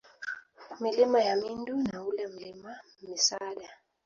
Milima ya Mindu na ule Mlima Misada